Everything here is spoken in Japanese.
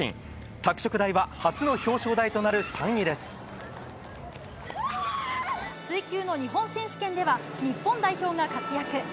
拓殖大は初の表彰台となる３位で水球の日本選手権では、日本代表が活躍。